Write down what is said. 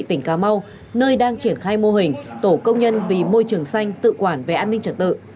tỉnh cà mau nơi đang triển khai mô hình tổ công nhân vì môi trường xanh tự quản về an ninh trật tự